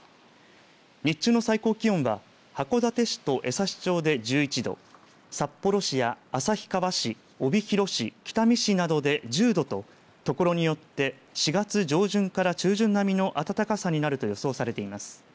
日中の最高気温は函館市と江差町で１１度札幌市や旭川市帯広市、北見市などで１０度と所によって４月上旬から中旬並みの暖かさになると予想されています。